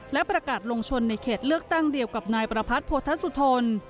และประกาศลงชนในเขตเลือกตั้งเดียวกับนายประพัทธสุธน